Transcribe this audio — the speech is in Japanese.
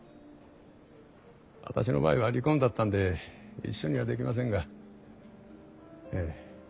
私の場合は離婚だったんで一緒にはできませんがええ